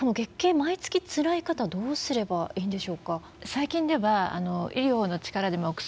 毎月つらい方はどうすればいいんでしょうか？